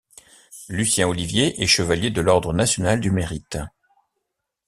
Lucien Olivier est Chevalier de l'ordre national du Mérite.